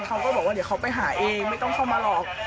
เขาก็บอกว่าเดี๋ยวเขาไปหาเองไม่ต้องเข้ามาหรอก